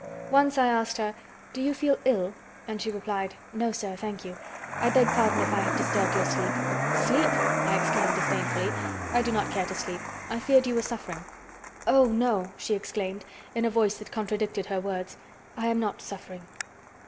Once I asked her: "Do you feel ill?" and she replied: "No, sir, thank you. I beg pardon if I have disturbed your sleep." "Sleep!" I exclaimed disdainfully. "I do not care to sleep. I feared you were suffering." "Oh, no," she exclaimed, in a voice that contradicted her words, "I am not suffering."